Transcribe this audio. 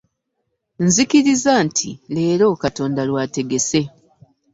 Nzikiriza nti leero Katonda lw'ategese.